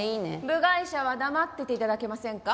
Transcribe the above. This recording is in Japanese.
部外者は黙ってて頂けませんか？